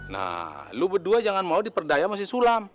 nah lu berdua jangan mau diperdaya sama si sulam